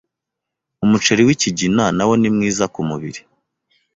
Umuceri w’ikigina nawo nimwiza kumubiri